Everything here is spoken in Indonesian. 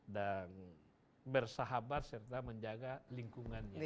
dan bersahabat serta menjaga lingkungannya